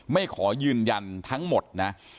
ไม่ขอยืนยันทั้งหมดนะ